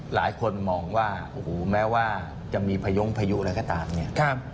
หลายคนมองว่าโอ้โหแม้ว่าจะมีพยงพายุอะไรก็ตามเนี่ย